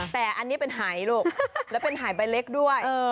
แต่อันนี้เป็นหายลูกแล้วเป็นหายใบเล็กด้วย